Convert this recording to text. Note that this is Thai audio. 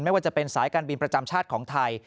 ไม่ว่าจะเป็นสายการบินประจำชาติของไทย